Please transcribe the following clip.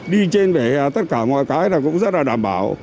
đi trên để tất cả mọi cái là cũng rất là đảm bảo